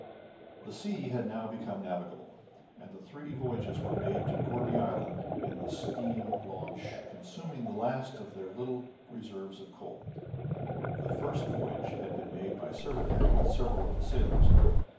The sea had now become navigable, and three voyages were made to Gourbi Island in the steam launch, consuming the last of their little reserve of coal. The first voyage had been made by Servadac with several of the sailors.